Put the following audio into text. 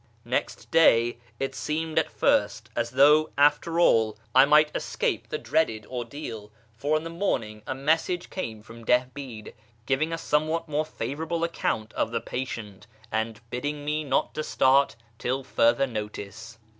Next day it seemed at first as though after all I might 340 A YEAR AMONGST THE PERSIANS escape the dreaded ordeal ; for in the inorDiii<; a message came from Dihbi'd giving a somewhat more favourable account of the patient, and bidding me not to start till further notice.